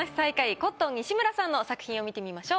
コットン西村さんの作品を見てみましょう。